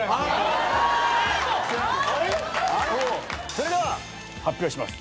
それでは発表します。